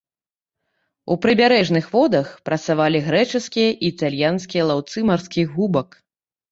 У прыбярэжных водах працавалі грэчаскія і італьянскія лаўцы марскіх губак.